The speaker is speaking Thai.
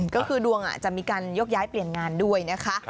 ก็คือดวงจะมีการยกย้ายเปลี่ยนงานด้วยนะคะ